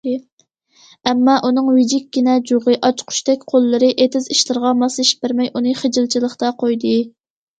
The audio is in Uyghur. ئەمما ئۇنىڭ ۋىجىككىنە جۇغى، ئاچقۇچتەك قوللىرى ئېتىز ئىشلىرىغا ماسلىشىپ بەرمەي، ئۇنى خىجىلچىلىقتا قويدى.